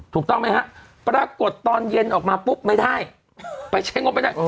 ถูกต้องไหมฮะปรากฏตอนเย็นออกมาปุ๊บไม่ได้ไปใช้งบไม่ได้